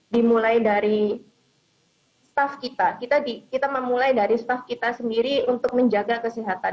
dimulai dari staff kita kita memulai dari staff kita sendiri untuk menjaga kesehatan